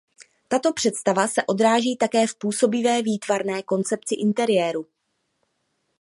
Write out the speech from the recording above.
Tato představa se odráží také v působivé výtvarné koncepci interiéru.